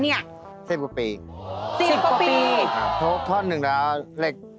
สวัสดีครับ